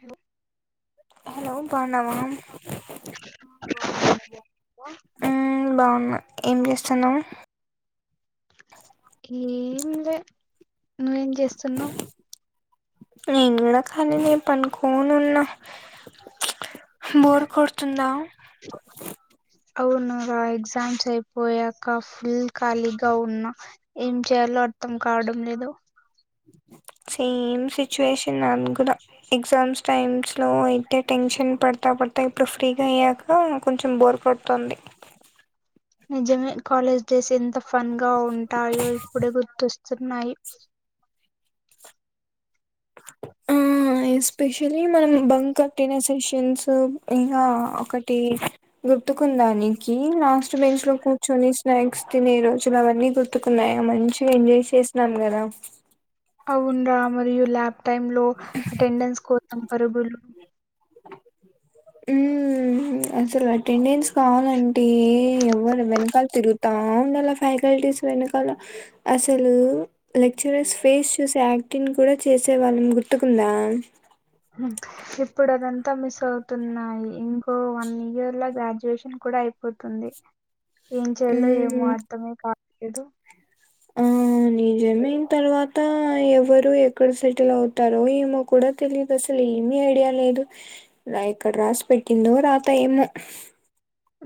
Hello hello బణవా ఉ బాగున్నా ఏం చేస్తున్నా ఏం లే నువ్వేం చేస్తున్నావు నేను కూడా ఖాళీనే నేను పనుకోని ఉన్నా బోర్ కొడుతుందా అవును ఎగ్జామ్స్ అయిపోయాక ఫుల్ ఖాళీగా ఉన్నా ఏం చేయాలో అర్థం కావడం లేదు సేమ్ సిచుయేషన్ అను కూడా ఎగ్జామ్స్ టైమ్స్ లో అయితే టెన్షన్ పడతా పడతా ఇప్పుడు ఫ్రీగా అయ్యాక కొంచెం బోర్ కొడుతుంది నిజమే కాలేజ్ డేస్ ఎంత ఫన్ గా ఉంటాయో ఇప్పుడే గుర్తొస్తా చిన్నాయి ఆ ఎ స్పెషల్లీ మన బంకు కొట్టిన సెక్షన్స్ ఇంకా ఒకటి గుర్తుకుందా నీకి లాస్ట్ బెంచ్ లో కూర్చొని స్నాక్స్ తినే రోజులు అవన్నీ గుర్తుకున్నాయా మంచిగా ఎంజాయ్ చేసాం కదా అవునురా మరియు ల్యాబ్ టైమ్ లో అటెండెన్స్ కోసం పరుగులు ఉ అసలు అటెండెన్స్ కావాలంటే ఎవరు వెనకాల తిరుగుతాం ఫ్యాకల్టీస్ వెనకాల అసలు లెక్చరర్స్ ఫేస్ చూసి తిను కూడా చేసేవాళ్లను గుర్తుకుందా ఇప్పుడు అదంతా మిస్ అవుతున్నాయి ఇంకో వన్ ఇయర్ లో గ్రాడ్యుయేషన్ కూడా అయిపోతు తుంది ఏం చేయాలో ఏమో హ్మ్. అర్థమే కాలేదు [unintelligible] నిజమయిన తర్వాత ఎవరు ఎక్కడ సెటిల్ అవుతారో ఏమో కూడా తెలియదు అసలు ఏమి ఐడియా లేదు ఇక్కడ రాసి పెట్టిందో రాత ఏమో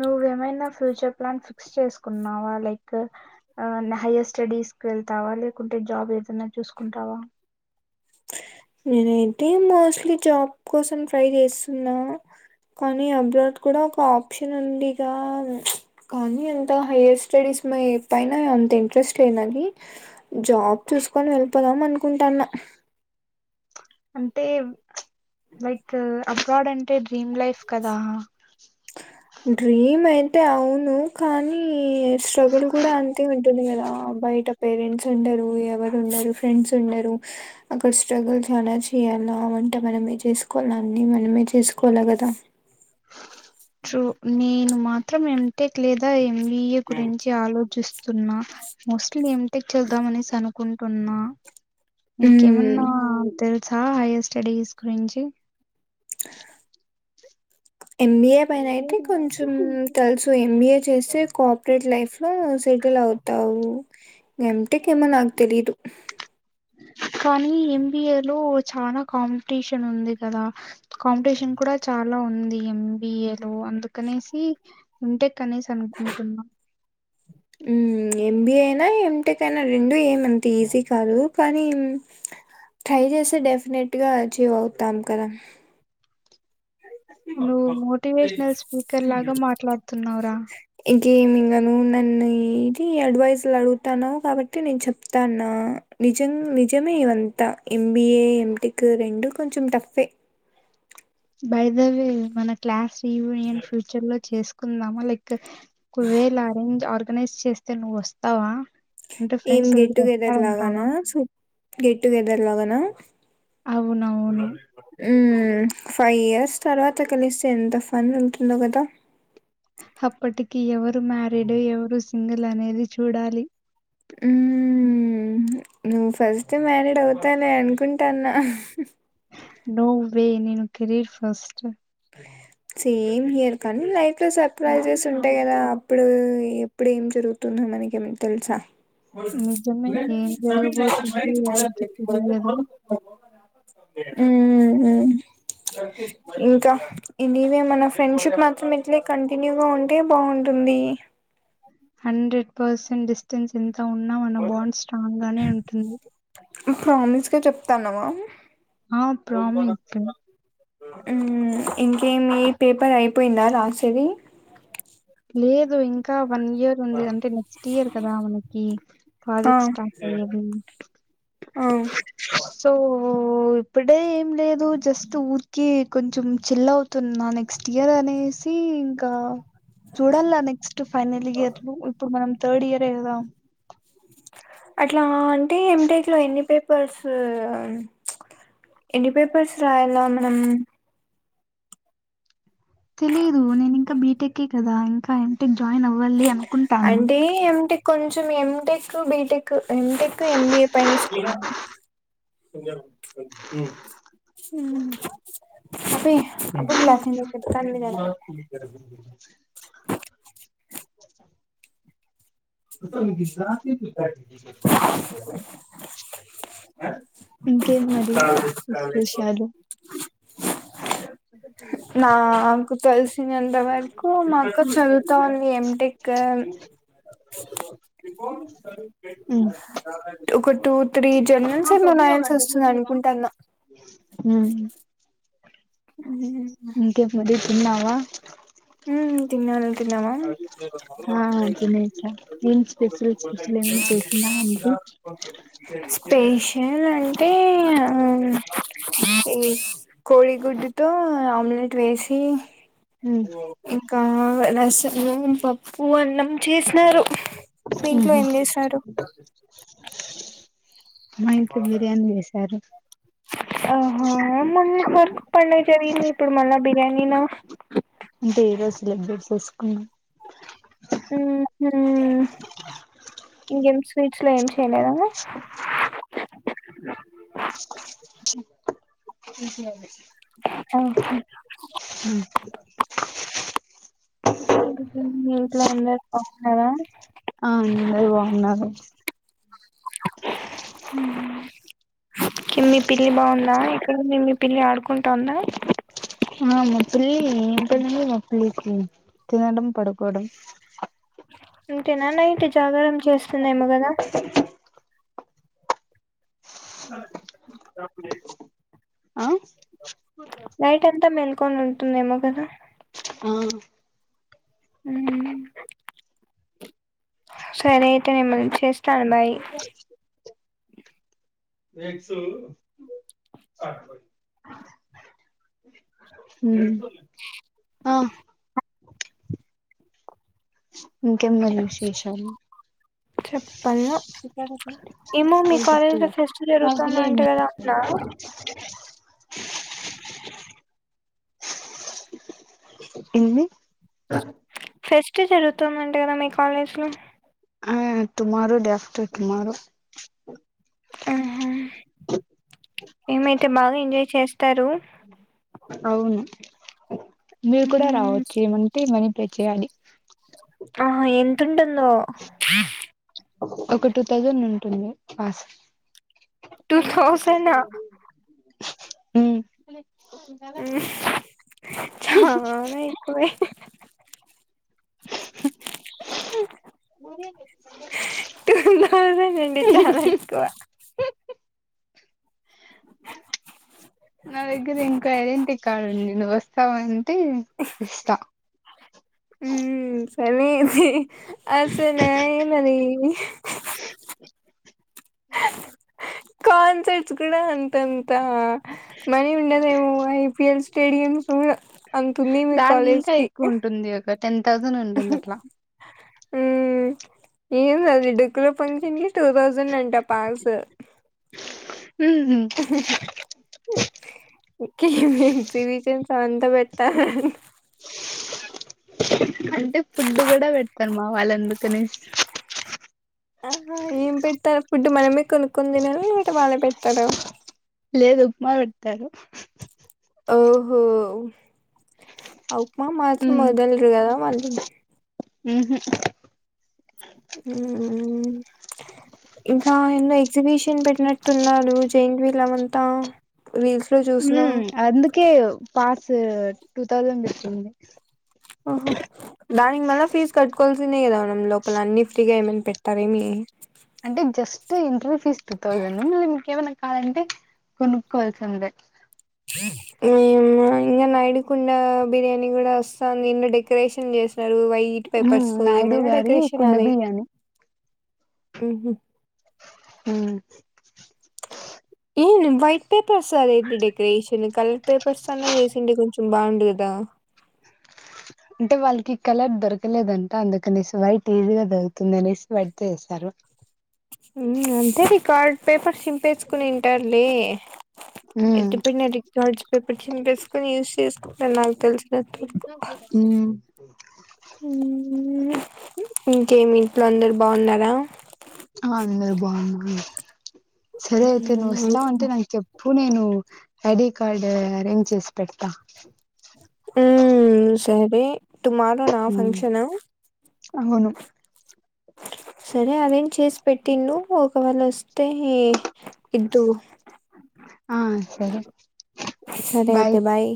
నువ్వేమైనా ఫ్యూచర్ ప్లాన్ ఫిక్స్ చేసుకున్నావా లైక్ హైయర్ స్టడీస్ వెళ్తావా లేకుంటే జాబ్ ఏదన్నా చూసుకుంటావా నేనైతే మోస్ట్లీ జాబ్ కోసం ట్రై చేస్తున్నా కానీ అబ్రాడ్ కూడా ఒక ఆప్షన్ ఉండడిగా కానీ ఎంత హైయర్ స్టడీస్ పైన అంత ఇంట్రెస్ట్ లేనని జాబ్ చూసుకొని వెళ్ళిపోదాం అనుకుంటాన్న అంటే లైక్ అబ్రాడ్ అంటే డ్రీమ్ లైఫ్ కదా అంటే అవును కానీ స్ట్రగుల్ కూడా అంతే ఉంటుంది కదా బయట పేరెంట్స్ ఉండరు ఎవరు ఉండరు ఫ్రెండ్స్ ఉండరు అక్కడ స్ట్రగుల్ చాలా చేయాలా ఉంట మనమే చేసుకోవాల అన్ని మనమే చేసుకోవాలి కదా చు నేను మాత్రం ఎ టెక్ లేదా ఎంబఏ గురించి ఆలోచిస్తున్నా మోస్ట్లీ ఎ టెక్ చూద్దాం అనేసి కుంటన్నా ఇక మ్మ్ ఏమన్నా తె సా హైయర్ స్టడీస్ గురించి ఆ ఎంబీఏ పైన అయితే కొంచెం తెలుసు ఎంబీఏ చేస్తే కోఆపరేట్ లైఫ్ ఉ సెటిల్ అవుతావు ఏంటెక్ ఏమైనాకు తెలియదు కానీ ఎంబిఏ లో చాలా కాంపిటీషన్ ఉంది కదా కాంపిటీషన్ కూడా చాలా ఉంది ఎంబిఏ లో అందుకనేసి ఇంటెక్ అనేసి అనుకుంటున్నాం ఆ ఎంబిఏ అయినా ఎటెక్ అయినా రెండు ఏమంతే ఈజీ కాదు కానీ ట్రై చేస్తే డెఫినెట్ గా అచీవ్ అవుతాం కదా నువ్వు మోటివేషనల్ స్పీకర్ లాగా మాట్లాడుతున్నావరా గేమింగ్ అను నన్ను ఇది అడ్వైస్లు అడుగుతాను కాబట్టి నేను చెప్తాన్నా నిజం నిజమే ఇవంతా ఎంబిఏ ఎంటెక్ రెండు కొంచెం టఫ్ఎ బైదవై మన క్లాస్ రీయూనియన్ ఫ్యూచర్ లో చేసుకుందామా లైక్ ఓక్ వేలా అరేంజ్ ఆర్గనైజ్ చేస్తే నువ్వు వస్తావా అంటే ఏం ఫ్రెండ్స్ గెట్ అందరూ టుగెదర్ లాగానా వస్తారంటావా సొ గెట్ టుగెదర్ లాగానా అవునవును ఉమ్ ఫైవ్ ఇయర్స్ తర్వాత కలిస్తే ఎంత ఫన్ ఉంటుందో కదా అప్పటికి ఎవరు మ్యారీడ్ ఎవరు సింగిల్ అనేది చూడాలి హ్మ్మ్ నువ్వు ఫస్ట్ మ్యారేడ్ అవుతాన అనుకుంటాన్నా నో వ్వే నేను కేరీర్ ఫస్ట్ సేమ్ ఇయర్ కానీ లైఫ్ లో సర్ప్రైజెస్ ఉంటాయి కదా ఇప్పుడు ఎప్పుడు ఏం జరుగుతుందో మనకి ఏం తెలుసా [unintelligible] నిజమే ఏం జరగబోతుందో ఎవరికి తెలియదు ఉ ఉహు ఇంకా ఇవి మన ఫ్రెండ్షిప్ మాత్రం ఇట్లే కంటిన్యూగా ఉంటే బాగుంటుంది పర్సన్ డిస్టెన్స్ ఎంత ఉన్నా మన బాండ్ స్ట్రాంగ్ గానే ఉంటుంది ప్రామిస్గా చెప్తాన్నావా ఆ ప్రామిక్ ఊ ఇంకేమి పేపర్ అయిపోయిందా రాసేది లేదు ఇంకా వన్ ఇయర్ ఉంది అంటే నెక్స్ట్ ఇయర్ కదా మనకి ఆ ప్రాజెక్ట్ స్టార్ట్ అయ్యది ఆ సో దే ఏం లేదు జస్ట్ ఊరికె కొంచం చిల్లవు తున్న నెక్స్ట్ ఇయర్ అనేసి ఇంకా చూడాల నెక్స్ట్ ఫైనల్ ఇయర్ ఇప్పుడు మనం థర్డ్ ఇయరే కదా అట్లా అంటే ఏంటెక్ లో ఎన్ని పేపర్స్ ఎన్ని పేపర్స్ రాయాల మనం తెలిదు నేను ఇంకా బీటెకే కదా ఇంకా ఎం టెక్ జాయిన్ అవ వళ్ళి అనుకుంటాను అంటే ఎంటెక్ కొంచెం ఎంటెక్ బీటెక్ ఎంటెక్ ఎంబీఏ పైన స్క ము చెప్తాంది కదా [inaudible] మొత్తం ఇగ గ్రాఫిక్ రికార్డ్ చేసి ఎల్లిపో ఇంకేం మరి విశేషాలు నాక్ తెల్సి ఎంత వరకు మాక్క చదువుతా ఉంది ఎంటెక్కు ఉమ్ ఒక టూ త్రీ జర్నల్స్ ఏమనారాయాల్సి వస్తుంది అనుకుంటాన్నో ఉమ్ ఇంకేం మరి తిన్నావా ఉ తిన్నాను ను తిన్నావా ఆ తినేసా ఏం స్పెషల్ స్పెషల్ ఏమైనా చేసిందా ఆంటీ [unintelligible] పేషల్ అంటే ఈ కోడి గుడ్డుతో ఆమ్లెట్ వేసి ఊ కా రాసలు పప్పు అన్నం చేసినారు మీ ఇంట్లో ఉహు ఏం చేసారు మా ఇంట్లో బిర్యానీ వెసారు ఓహో మన ఫర్క్ పనైతది ఇప్పుడు మళ్ళీ బిర్యానీ నా అంటే ఏ రోజు సెలబ్రెస్ చెసుకున్నాం ఉహు ఇంకేం స్వీట్స్ లో ఏం చేయలేద ఇంకేంది అ ఓ మీ ఇంట్లో అందరూ బాగున్నారా ఆ అందరు బాగున్నారు ఉ మీ పిల్లి బాగుందా ఇక్కడ మే మీ పిల్లి ఆడుకుంటా ఉందా ఆ మా పిల్లి ఏం పనండి మా పిల్లికి తినడం పడుకోవడం అంతేనానా నైట్ జాగరణ చేస్తున్నామో కదా చప్పుడే ఆ నైట్ అంతా మెల్కొని ఉంటుందేమో కదా ఆ ఉ హ సరే అయితే మళ్లీ చేస్తాను బాయ్ ఏక్ సావు చార్ బాయ్ ఉ ఆ ఇంకెమని విశేషాలు చెప్పు చెప్ప ఏమో మీ కాలేజ్లో ఫెస్ట్ జరుగుతుంద అంటే కదా అన్నారు చ్ ఉ ఎన్ని ఫెస్ట్ జరుగుతుందంట కదా మీ కాలేజ్ లో ఆ టుమారో డే ఆఫ్టర్ టుుమారో ఆహ ఏమైతే బాగా ఎంజాయ్ చేస్తారు అవును మీరు కూడా మ్మ్ రావచ్చు ఏమంటే మనీ పే చేయాలి ఆ ఎంతంటుందో ఒక టూ థౌజండ్ ఉంటుంది పాస్ టూ థౌసండ్ ఉ ఊ చాలా ఎక్కువే ఉ టూ థౌసండ్ అంటే చాలా ఎక్కువ టీవీ సౌండ్ నా దగ్గర ఇంకో ఐడెంటి కార్డు ఉంది నువ్వు వస్తావ అంటే ఇస్తా సర్లే ఇయ్యి అసలైనది అ కొన్ ర్స్ కూడా అంతంత మనీ ఉండదేమో ఐపిఎల్ స్టేడియమ్స్ కూడా అతుంది మీ కాలేజ్ కి తౌజను ఉంటందిట్లా ఉ ఏందది డిగ్రీకి స్కూల్లో ఫంక్షన్ కి టూ థౌజండ్ అంట పాస్ ఎక్స్ప్రెషన్ సో అంతా పెట్టాలా అంటే ఫుడ్ కూడా పెడతారు మా వాళ్ళందుకనీ ఆ ఏం పెడతారు ఫుడ్ మనమే కొనుక్కుంది లేట వాళ్ళ పెడతార లేదు ఉప్మా పెడతారు ఓహో ఉప్మా మాత్రం వదలరుగా వాలు ఉహు ఉ ఇంకా ఎన్నో ఎగ్జిబిషన్ పెట్టినట్టు ఉన్నాడు జై వీలమంతా అందుకే పాస్ టూ తౌసండ్ వచ్చంది ఓహో దానిగ్ మల్ ఫీస్ కట్కల్సినే ఇదవను లోపల అన్ని ఫ్రీగా ఏమనా పెట్టారేమ అంటే just interview fees two thousand మళ్ మీంకేమైనా కావాలంటే కొనుక్కకోవాల్సిందే ఇంకా నైడుకుడా బిర్యానీ కూడా వస్తా దీంట్లో డెకరేషన్ చేస్త వైట్ హ్మ్. పేపర్స్ నాయుడు మ గారి డకరేషన్ 'కుండబియ్య' అని. హ ఏ వైట్ పేపర్స్ అదేడి డెకరేషన్ కలర్ పేపర్స్ అన్నా చేసిడి కొంచెం బాగుంది కదా అంటే వాళ్ళకి కలర్ దొరకలేదంట అందుకనేసి వైట్ ఈజీగా దొరుకుతుంది అనేసి బడి చేసారు అంతే న కార్డ్ పేపర్ చింపేచుకుని తంటారులే హ్మ్. ఎట్ పెడినాను రికార్డ్స్ పేపర్ చినిపేసుకొని యూస్ చేసుకుంటను నాకు తెలిసిన తప్పు హ్మ్. ఇంకేమి ఇంట్లో అందరు బాగున్నారా ఆ అందరు బాగున్నా సరే అయితే నువ్వు వస్తావ అంటే నాకు చెప్ప అ నేను ఐడి కార్డ్ అరేంజ్ చేసి పెడతా ఉ సవి టుమార నా హ్మ్. ఫంక్షన్ అవును. సరే అవేం చేసి పెట్టి ను ఒకవేళ మే ఇదు ఆ సరే సరే బయ అయితే బాయ్